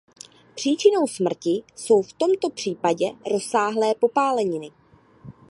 Příčinou smrti jsou v tomto případě rozsáhlé popáleniny.